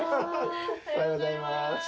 おはようございます